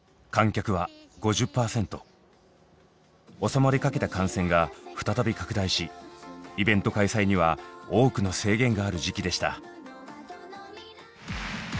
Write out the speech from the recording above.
収まりかけた感染が再び拡大しイベント開催には多くの制限がある時期でした。